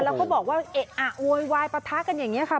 แล้วเขาบอกว่าเอะอะโวยวายปะทะกันอย่างนี้ค่ะ